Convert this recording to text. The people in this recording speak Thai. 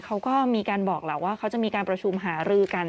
เขาก็มีการบอกแหละว่าเขาจะมีการประชุมหารือกัน